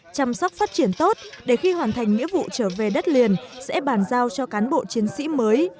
chăm sóc phát triển tốt để khi hoàn thành nghĩa vụ trở về đất liền sẽ bàn giao cho cán bộ chiến sĩ mới